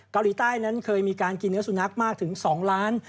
เกาหลีใต้นั้นเคยมีการกินเนื้อสุนัขมากถึง๒ล้าน